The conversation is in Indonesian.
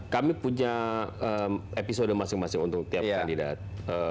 kami punya episode masing masing untuk tiap kandidat